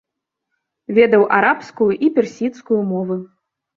Ведаў арабскую і персідскую мовы.